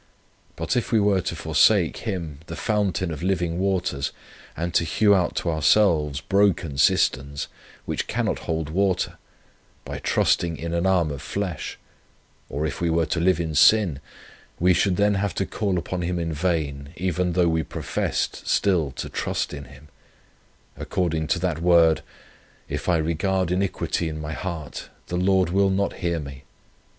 But if we were to forsake Him, the fountain of living waters, and to hew out to ourselves broken cisterns, which cannot hold water, by trusting in an arm of flesh; or if we were to live in sin, we should then have to call upon Him in vain, even though we professed still to trust in Him, according to that word: 'If I regard iniquity in my heart, the Lord will not hear me.'